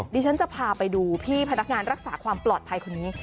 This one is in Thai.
ดิฉันจะพาไปดูพี่พนักงานรักษาความปลอดภัยคนนี้